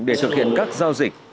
để thực hiện các giao dịch